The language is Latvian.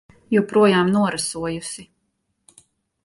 Joprojām norasojusi.